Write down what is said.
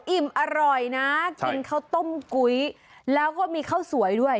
อิ่มอร่อยนะกินข้าวต้มกุ้ยแล้วก็มีข้าวสวยด้วย